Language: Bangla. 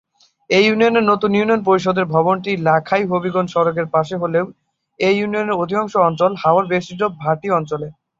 এ ইউনিয়নের নতুন ইউনিয়ন পরিষদ ভবনটি লাখাই হবিগঞ্জ সড়কের পাশে হলেও এ ইউনিয়নের অধিকাংশ অঞ্চল হাওড় বেষ্টিত ভাটি অঞ্চলে।